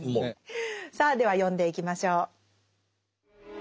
さあでは読んでいきましょう。